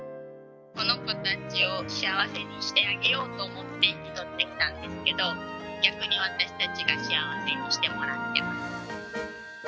この子たちを幸せにしてあげようと思って引き取ってきたんですけど、逆に私たちが幸せにしてもらってます。